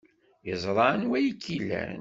Yeẓra anwa ay k-ilan.